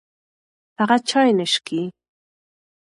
هغه چای نه څښي.